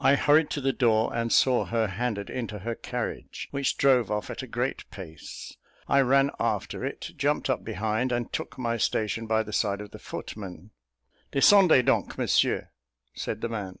I hurried to the door, and saw her handed into her carriage, which drove off at a great pace. I ran after it, jumped up behind, and took my station by the side of the footman. "Descendez donc, Monsieur," said the man.